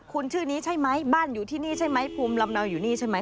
คุณชื่อนี้ใช่ไหมบ้านอยู่ที่นี่ใช่ไหมภูมิลำเนาอยู่นี่ใช่ไหม